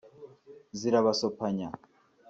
zirabasopanya